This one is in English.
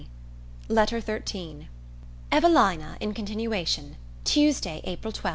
LETTER XIII EVELINA IN CONTINUATION Tuesday, April 12.